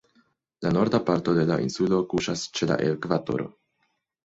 La Norda parto de la insulo kuŝas ĉe la ekvatoro.